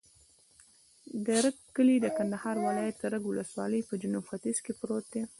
د رګ کلی د کندهار ولایت، رګ ولسوالي په جنوب ختیځ کې پروت دی.